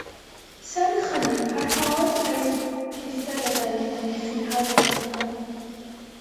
Serch hynny, parhaodd â'i gweithgareddau i amddiffyn hawliau dynol.